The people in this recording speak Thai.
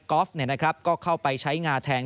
กอล์ฟนะครับก็เข้าไปใช้งาแทง